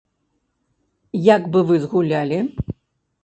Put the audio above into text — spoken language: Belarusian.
Як бы вы згулялі?